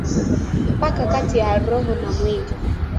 mpaka kati ya roho na mwili